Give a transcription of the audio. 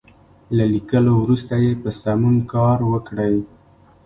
له ليکلو وروسته یې په سمون کار وکړئ.